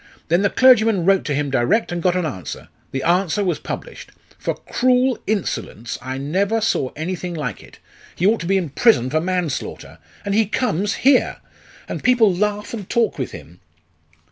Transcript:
Then the clergyman wrote to him direct, and got an answer. The answer was published. For cruel insolence I never saw anything like it! He ought to be in prison for manslaughter and he comes here! And people laugh and talk with him!"